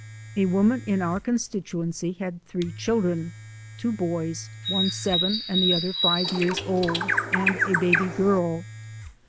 A woman in our constituency had three children, two boys, one seven and the other five years old, and a baby girl.